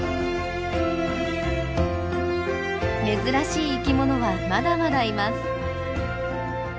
珍しい生きものはまだまだいます。